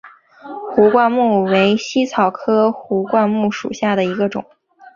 壶冠木为茜草科壶冠木属下的一个种。